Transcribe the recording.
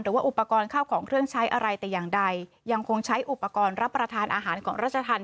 หรือว่าอุปกรณ์ข้าวของเครื่องใช้อะไรแต่อย่างใดยังคงใช้อุปกรณ์รับประทานอาหารของราชธรรม